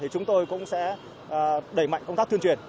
chúng tôi cũng sẽ đẩy mạnh công tác tuyên truyền